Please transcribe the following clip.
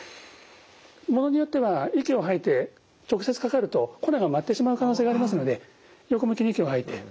ものによっては息を吐いて直接かかると粉が舞ってしまう可能性がありますので横向きに息を吐いて。